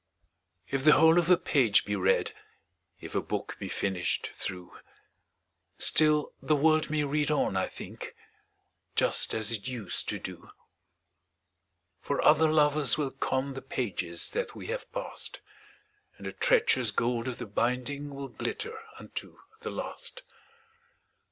II. If the whole of a page be read, If a book be finished through, Still the world may read on, I think, Just as it used to do; For other lovers will con The pages that we have passed, And the treacherous gold of the binding Will glitter unto the last.